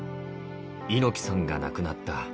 猪木さんが亡くなった。